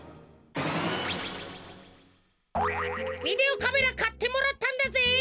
ビデオカメラかってもらったんだぜ。